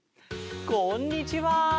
こんにちは！